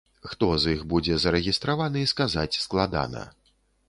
Хто з іх будзе зарэгістраваны, сказаць складана.